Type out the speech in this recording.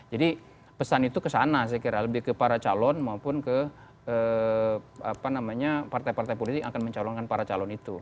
pesan itu kesana saya kira lebih ke para calon maupun ke partai partai politik yang akan mencalonkan para calon itu